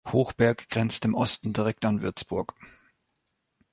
Höchberg grenzt im Osten direkt an Würzburg.